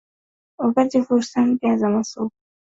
Wakati fursa mpya za masoko zilipofunguka kwa bidhaa za Kampala.